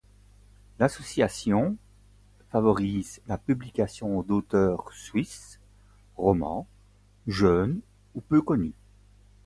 L'association favorise la publication d'auteurs suisses romands jeunes ou peu connus.